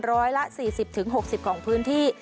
ร้อยละ๔๐๖๐ของพื้นที่